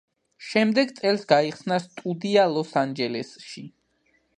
შემდეგ წელს გაიხსნა სტუდია ლოს-ანჯელესში.